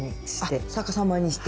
あっ逆さまにして。